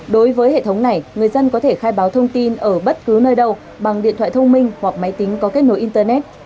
đối với hệ thống này người dân có thể khai báo thông tin ở bất cứ nơi đâu bằng điện thoại thông minh hoặc máy tính có kết nối internet